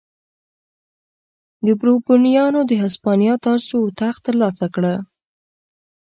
بوروبونیانو د هسپانیا تاج و تخت ترلاسه کړ.